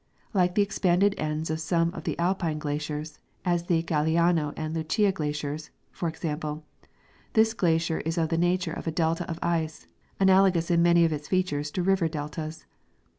Like the expanded ends of some of the Alpine glaciers, as the Galiano and Lucia glaciers, for example, this glacier is of the nature of a delta of ice, analogous in many of its features to river deltas.